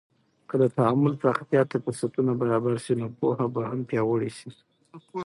که د تعامل پراختیا ته فرصتونه برابر سي، نو پوهه به هم پیاوړې سي.